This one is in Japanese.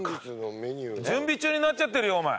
準備中になっちゃってるよお前。